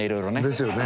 ですよね。